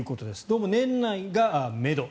どうも年内がめど。